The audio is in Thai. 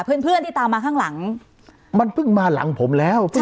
เพื่อนเพื่อนที่ตามมาข้างหลังมันเพิ่งมาหลังผมแล้ว